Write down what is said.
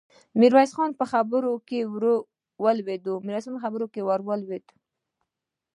ميرويس خان په خبره کې ور ولوېد: نو دلته يې ټپوسانو ته پرېږدې؟